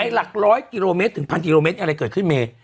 หลักร้อยกิโลเมตรถึงพันกิโลเมตรอะไรเกิดขึ้นเมย์